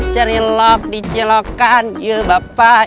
cerilok di jilokan ye bapak